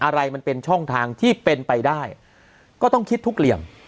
อะไรมันเป็นช่องทางที่เป็นไปได้ก็ต้องคิดทุกเหลี่ยม